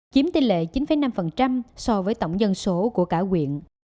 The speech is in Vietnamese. chiếm tỷ lệ chín năm so với tổng dân số của cả quyện